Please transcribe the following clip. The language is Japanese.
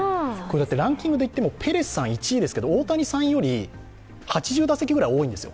ランキングでいっても、ペレスさん１位ですけど、大谷さんより８０打席ぐらい多いんですよ。